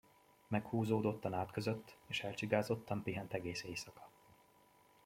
Meghúzódott a nád között, és elcsigázottan pihent egész éjszaka.